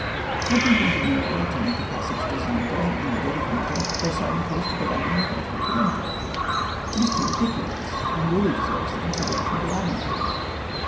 What do you think of an order to make a passage to Zante in the dead of winter by sail iufj close to the land in the Gulf of Tarento? It is too ridiculous — and really deserves the consideration of the Admiralty.